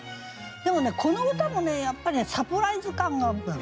でもねこの歌もねやっぱサプライズ感が。